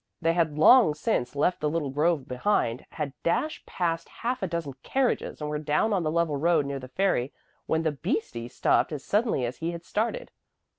They had long since left the little grove behind, had dashed past half a dozen carriages, and were down on the level road near the ferry, when the "beastie" stopped as suddenly as he had started.